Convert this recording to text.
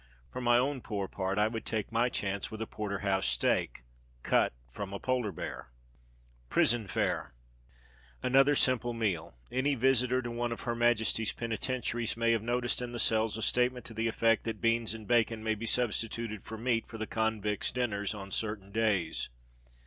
For my own poor part, I would take my chance with a Porterhouse steak, cut from a Polar bear. Prison Fare. Another simple meal. Any visitor to one of H.M. penitentiaries may have noticed in the cells a statement to the effect that "beans and bacon" may be substituted for meat, for the convicts' dinners, on certain days.